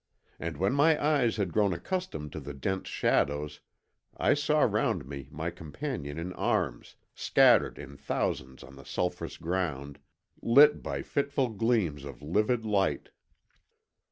And when my eyes had grown accustomed to the dense shadows I saw round me my companions in arms, scattered in thousands on the sulphurous ground, lit by fitful gleams of livid light.